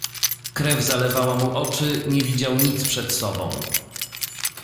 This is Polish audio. "Krew zalewała mu oczy, nie widział nic przed sobą."